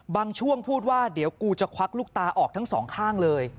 บางช่วงพูดว่าเดี๋ยวกูจะควักลูกตาออกทั้งสองข้างเลย